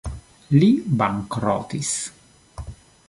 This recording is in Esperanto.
Li bankrotis.